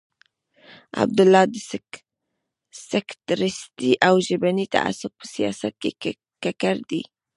عبدالله د سکتریستي او ژبني تعصب په سیاست کې ککړ دی.